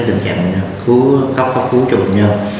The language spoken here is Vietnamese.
tình trạng cấp cứu cho bệnh nhân